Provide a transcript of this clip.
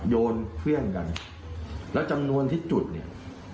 โยนเพื่อนกันแล้วจำนวนที่จุดเนี่ย